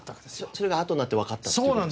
それがあとになってわかったっていう事ですか。